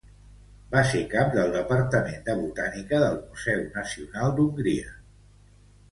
Va ser cap del Departament de botànica del Museu Nacional d'Hongria.